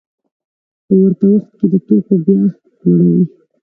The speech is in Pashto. په ورته وخت کې د توکو بیه لوړېږي